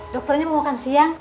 dokternya mau makan siang